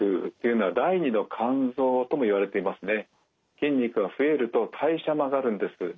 筋肉が増えると代謝も上がるんです。